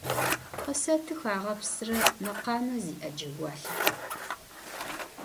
Къысэтых агъэпсырэ мэкъамэ зиӏэ джэгуалъэхэр.